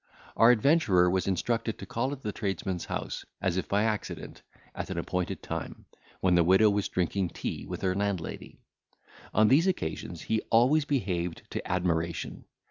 Our adventurer was instructed to call at the tradesman's house, as if by accident, at an appointed time, when the widow was drinking tea with her landlady. On these occasions he always behaved to admiration.